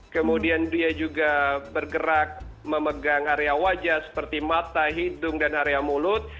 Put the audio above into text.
kemudian dia juga bergerak memegang area wajah seperti mata hidung dan area mulut